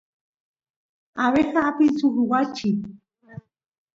abeja apin suk wachi